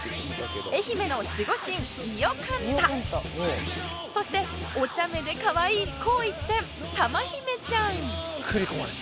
愛媛の守護神伊予柑太そしておちゃめでかわいい紅一点たま媛ちゃん